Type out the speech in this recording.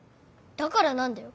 だからなんだよ。